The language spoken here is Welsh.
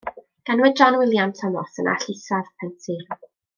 Ganwyd John William Thomas yn Allt Isaf, Pentir.